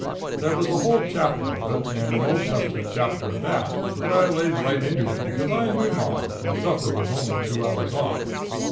There was a whole chapter of it, and an Old Testament chapter at that, but I laid right into it because I knew ma, and supper was only two hours off.